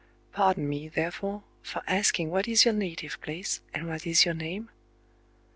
Pardon me, therefore, for asking what is your native place, and what is your name?"